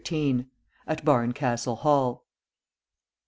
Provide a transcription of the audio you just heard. AT BARNCASTLE HALL.